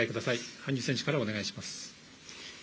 羽生選手からお願いします。